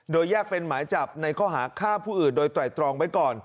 โดยแยกเป็นหมายจับในข้อหาฆ่าผู้อื่นโดยไตรตรองไว้ก่อน